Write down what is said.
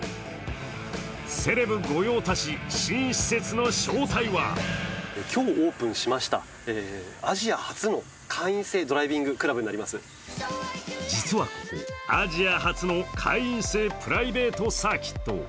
セレブ御用達、新施設の正体は実はアジア初の会員制プライベートサーキット。